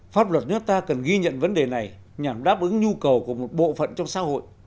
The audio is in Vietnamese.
pháp luật nước ta cần ghi nhận vấn đề này nhằm đáp ứng nhu cầu của một bộ phận trong xã hội